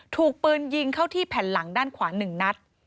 ถูกปืนยิงเข้าที่แผ่นหลังด้านขวา๑นัด